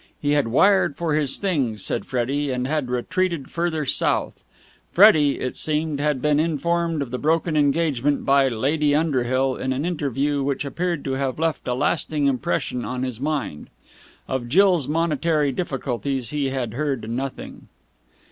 He had wired for his things, said Freddie, and had retreated further north. Freddie, it seemed, had been informed of the broken engagement by Lady Underhill in an interview which appeared to have left a lasting impression on his mind. Of Jill's monetary difficulties he had heard nothing.